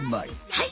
はい。